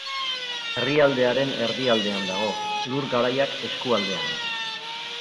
Herrialdearen erdialdean dago, Lur Garaiak eskualdean.